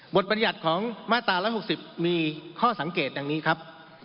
บรรยัติของมาตรา๑๖๐มีข้อสังเกตดังนี้ครับ